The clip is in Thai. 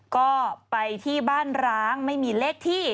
ก็ไปที่บ้านร้างไม่มีเลขที่